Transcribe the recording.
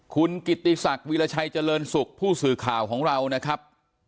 คุณกิติศักดิ์วิราชัยเจริญสุขผู้สื่อข่าวของเรานะครับ